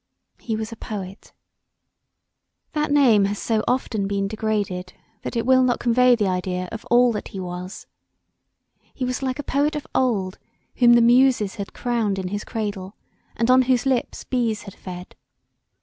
He was a Poet. That name has so often been degraded that it will not convey the idea of all that he was. He was like a poet of old whom the muses had crowned in his cradle, and on whose lips bees had fed.